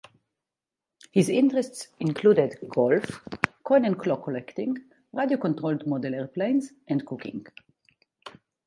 His interests included golf, coin and clock collecting, radio-controlled model airplanes and cooking.